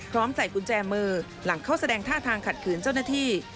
ใส่กุญแจมือหลังเข้าแสดงท่าทางขัดขืนเจ้าหน้าที่